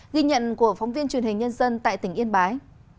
ghi nhận của phóng viên truyền hình nhân dân tại tỉnh yên bái